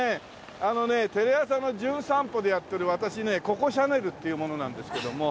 あのねテレ朝の『じゅん散歩』でやってる私ねココ・シャネルっていう者なんですけども。